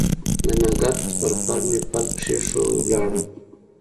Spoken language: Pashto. د نګهت پر پل مې پل کښېښوی ولاړم